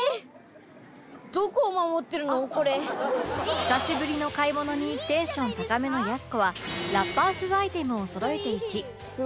久しぶりの買い物にテンション高めのやす子はラッパーズアイテムをそろえていき